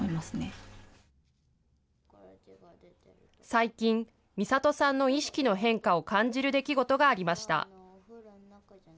最近、美里さんの意識の変化を感じる出来事がありました。